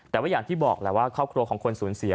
แต่ว่าอย่างที่บอกแหละว่าครอบครัวของคนสูญเสีย